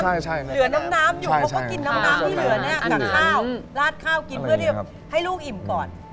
ราดข้าวกินเพื่อที่ให้ลูกอิ่มก่อน